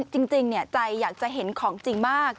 จริงใจอยากจะเห็นของจริงมาก